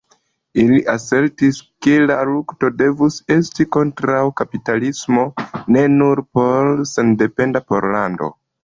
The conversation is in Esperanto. Ili asertis ke la lukto devus esti kontraŭ kapitalismo, ne nur por sendependa Pollando.